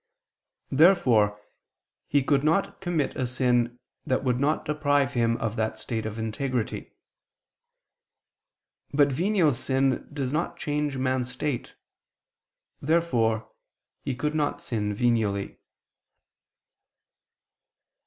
Therefore he could not commit a sin that would not deprive him of that state of integrity. But venial sin does not change man's state. Therefore he could not sin venially.